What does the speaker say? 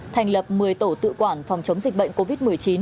thành lập một mươi tổ tự quản phòng chống dịch bệnh covid một mươi chín